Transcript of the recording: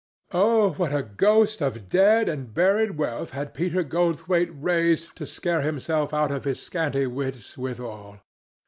Oh what a ghost of dead and buried wealth had Peter Goldthwaite raised to scare himself out of his scanty wits withal!